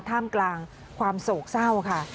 ถ้ามกลางความสูงเศร้าค่ะ